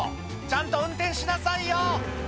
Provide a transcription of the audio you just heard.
ちゃんと運転しなさいよ！